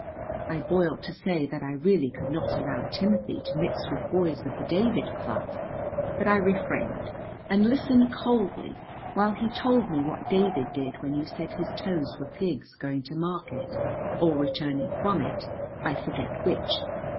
I boiled to say that I really could not allow Timothy to mix with boys of the David class, but I refrained, and listened coldly while he told me what David did when you said his toes were pigs going to market or returning from it, I forget which.